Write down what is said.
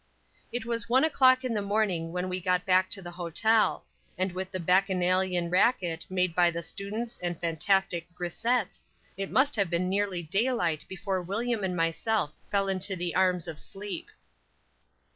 It was one o'clock in the morning when we got back to the hotel; and with the Bacchanalian racket made by the "students" and fantastic "grisettes" it must have been nearly daylight before William and myself fell into the arms of sleep.